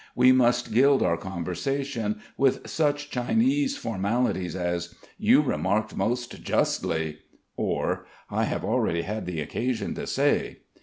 We must gild our conversation with such Chinese formalities as: "You remarked most justly" or "I have already had the occasion to say."